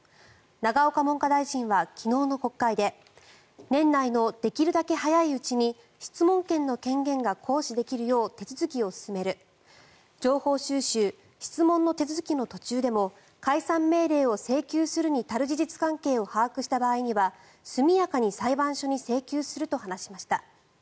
永岡文科大臣は昨日の国会で年内のできるだけ早いうちに質問権の権限が行使できるよう手続きを進める情報収集質問の手続きの途中でも解散命令を請求するに足る事実関係を把握した場合には速やかに裁判所に請求すると話しました。